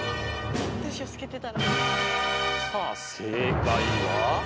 さあ正解は？